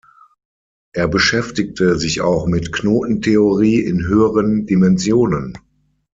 Er beschäftigte sich auch mit Knotentheorie in höheren Dimensionen.